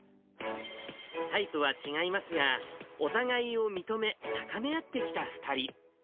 タイプは違いますが、お互いを認め、高め合ってきた２人。